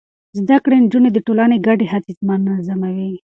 زده کړې نجونې د ټولنې ګډې هڅې منظموي.